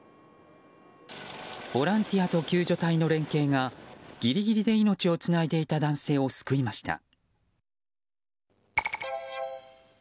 ボランティアと救助隊の連携がギリギリで命をつないでいた男性を救いました。